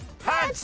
はい。